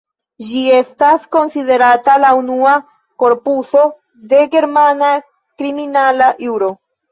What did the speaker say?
Ĝi estas konsiderata la unua korpuso de germana kriminala juro.